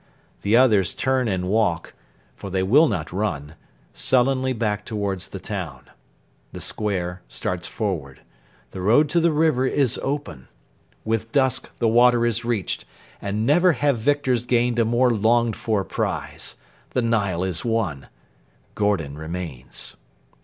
The others turn and walk for they will not run sullenly back towards the town. The square starts forward. The road to the river is open. With dusk the water is reached, and never have victors gained a more longed for prize. The Nile is won. Gordon remains.